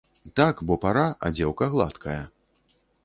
Так, бо пара, а дзеўка гладкая.